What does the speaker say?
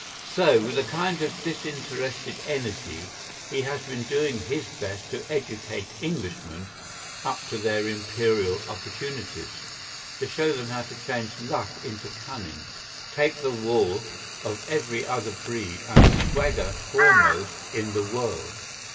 So, with a kind of disinterested energy, he has been doing his best to educate Englishmen up to their Imperial opportunities, to show them how to change luck into cunning, take the wall of every other breed and swagger foremost in the world.